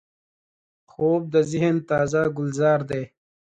خوب د ذهن تازه ګلزار دی